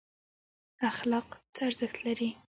اخلاق څه ارزښت لري؟